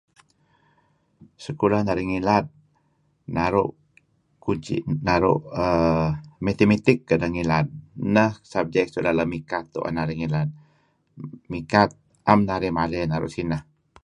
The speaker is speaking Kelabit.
Sekulah narih ngilad naru err Mathematic kedeh ngilad, ineh subjek suk leng-leng mikat tu'en ngilad, mikat 'am narih maley naru' sineh.